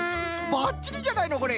ばっちりじゃないのこれ。